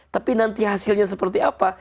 tapi nanti hasilnya seperti apa